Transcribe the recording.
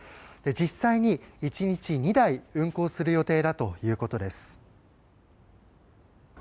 実際に、１日２台運行する予定だということです。